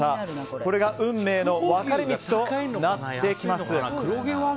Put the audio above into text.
これが運命の分かれ道となってきます。